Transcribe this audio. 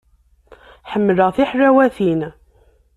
Ḥemmleɣ tiḥlawatin.